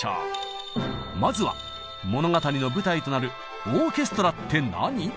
まずは物語の舞台となるオーケストラって何？